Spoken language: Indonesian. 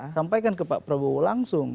sampaikan ke pak prabowo langsung